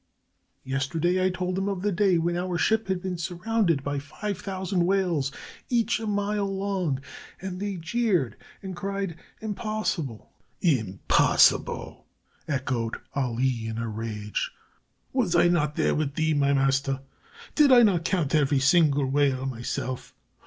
Yesterday, I told them of the day when our ship had been surrounded by five thousand whales, each a mile long, and they jeered and cried 'Impossible!'" "Impossible!" echoed Ali, in a rage. "Was I not there with thee, my master? Did I not count every single whale myself?